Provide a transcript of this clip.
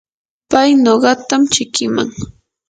pay nuqatam chikiman.